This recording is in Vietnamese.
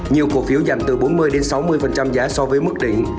nhiều cổ phiếu giảm từ bốn mươi sáu mươi giá so với mức đỉnh